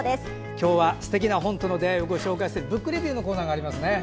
今日はすてきな本との出会いをご紹介する「ブックレビュー」のコーナーがありますね。